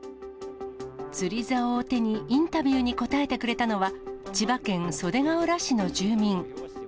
釣りざおを手にインタビューに答えてくれたのは、千葉県袖ケ浦市の住民。